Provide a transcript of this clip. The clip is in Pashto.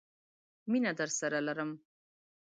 مينه درسره لرم.